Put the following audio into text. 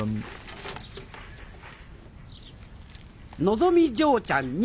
のぞみ嬢ちゃん